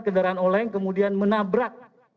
kendaraan oleng kemudian menabrak